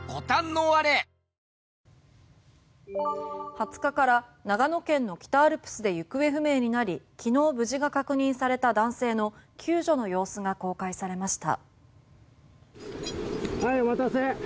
２０日から長野県の北アルプスで行方不明になり昨日、無事が確認された男性の救助の様子が公開されました。